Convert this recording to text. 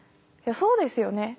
そうですよね。